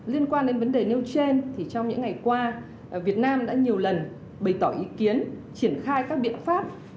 liên quan đến vấn đề nêu trên thì trong những ngày qua việt nam đã nhiều lần bày tỏ ý kiến triển khai các biện pháp